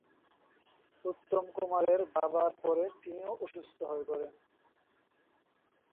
উত্তম কুমারের বাবার পরে তিনিও অসুস্থ হয়ে পড়েন।